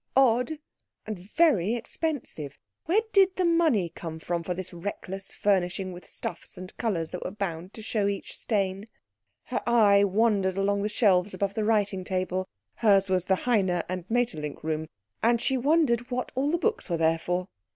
Odd, and very expensive. Where did the money come from for this reckless furnishing with stuffs and colours that were bound to show each stain? Her eye wandered along the shelves above the writing table hers was the Heine and Maeterlinck room and she wondered what all the books were there for.